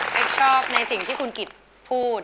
ชอบในสิ่งที่คุณกิจพูด